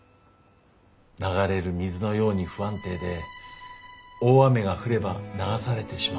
流れる水のように不安定で大雨が降れば流されてしまう。